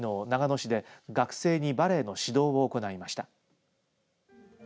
長野市で学生にバレエの指導を行いました。